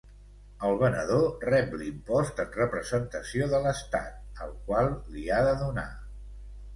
El venedor rep l'impost en representació de l'Estat al qual l'hi ha de donar.